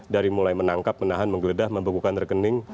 dari mulai menangkap menahan menggeledah membekukan rekening